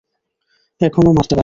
এখনও মারতে পারি।